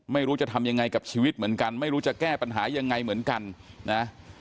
ไม่รู้จะทำยังไงกับชีวิตเหมือนกันไม่รู้จะแก้ปัญหายังไงเหมือนกันนะ